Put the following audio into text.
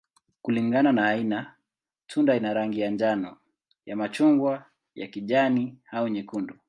Kulingana na aina, tunda ina rangi ya njano, ya machungwa, ya kijani, au nyekundu.